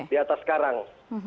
di atas sekarang